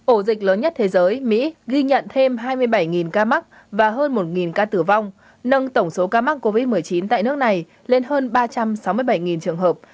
ổ dịch lớn nhất thế giới mỹ ghi nhận thêm hai mươi bảy ca mắc và hơn một ca tử vong nâng tổng số ca mắc covid một mươi chín tại nước này lên hơn ba trăm sáu mươi bảy trường hợp